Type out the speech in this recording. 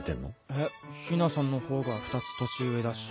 えっ陽菜さんのほうが２つ年上だし。